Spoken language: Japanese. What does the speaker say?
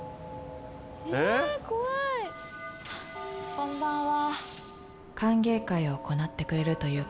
こんばんは。